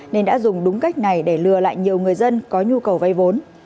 nên đã dùng đúng cách này để lừa lại nhiều người dân có nhu cầu vay vốn